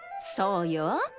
そうよ。